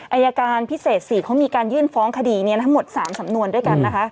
อายการพิเศษ๔เขามีการยื่นฟ้องคดีนี้ทั้งหมด๓สำนวนด้วยกันนะคะ